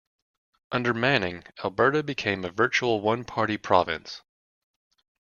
Under Manning, Alberta became a virtual one-party province.